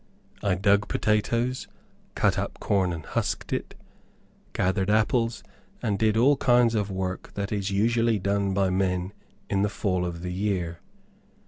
I dug potatoes, cut up corn and husked it, gathered apples, and did all kinds of work that is usually done by men in the fall of the year.